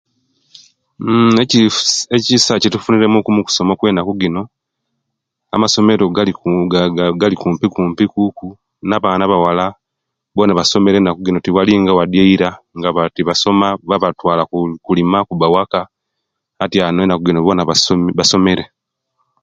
Mmm ekisa ekitufunire muku okusoma okwenaku gino amasomero gali ga ga Gali kumpi kumpi kuku nabaana abawala bona basomere tabali nga wadi eira nga tiba nga tibasoma babatwala kulima kuba waika atiyanu enaku jino bona basomere